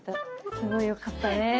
すごい良かったね。